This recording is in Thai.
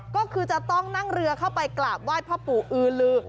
ก็คือจะต้องนั่งเรือเข้าไปกราบไหว้พ่อปู่อือลือ